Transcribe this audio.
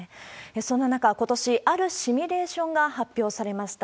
そんな中、ことし、あるシミュレーションが発表されました。